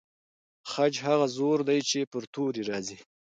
خج هغه زور دی چې پر توري راځي.